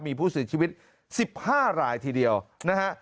มีผู้เสียชีวิต๑๕รายทีเดียวนะฮะ